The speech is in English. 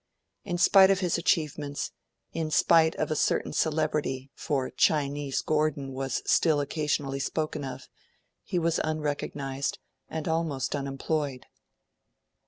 In spite of his achievements, in spite of a certain celebrity for 'Chinese Gordon' was still occasionally spoken of he was unrecognised and almost unemployed.